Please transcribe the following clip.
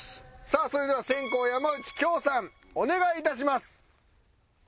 さあそれでは先攻は山内恭さんお願い致します。